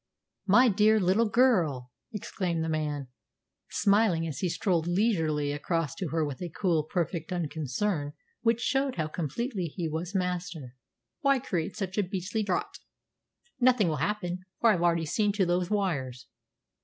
"My dear little girl!" exclaimed the man, smiling as he strolled leisurely across to her with a cool, perfect unconcern which showed how completely he was master, "why create such a beastly draught? Nothing will happen, for I've already seen to those wires."